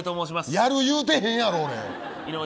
やる言うてへんやろ。